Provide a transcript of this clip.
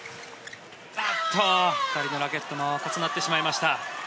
２人のラケットが重なってしまいました。